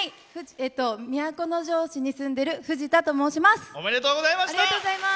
都城市に住んでるふじたと申します。